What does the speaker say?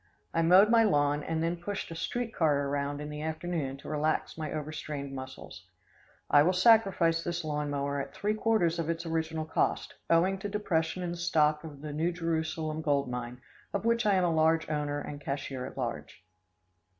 I mowed my lawn, and then pushed a street car around in the afternoon to relax my over strained muscles. I will sacrifice this lawn mower at three quarters of its original cost, owing to depression in the stock of the New Jerusalem gold mine, of which I am a large owner and cashier at large.